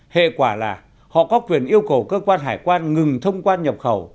hệ quả là họ có quyền yêu cầu cơ quan hải quan ngừng thông quan nhập khẩu